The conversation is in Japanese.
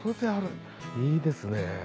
いいですね。